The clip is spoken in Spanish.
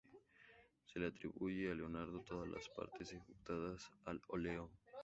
Se le atribuyen a Leonardo todas las partes ejecutadas al óleo.